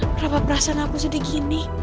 kenapa perasaan aku sedih